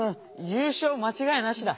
優勝まちがいなしだ！